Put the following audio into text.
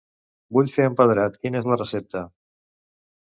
Vull fer empedrat quina és la recepta.